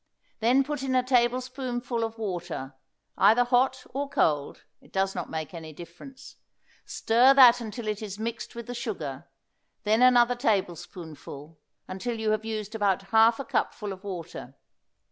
Then put in a tablespoonful of water, either hot or cold it does not make any difference; stir that until it is mixed with the sugar; then another tablespoonful, until you have used about half a cupful of water.